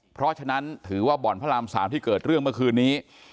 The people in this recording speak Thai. เพราะฉะนั้นถือว่าบ่อนพระราม๓ที่เกิดเรื่องเมื่อคืนนี้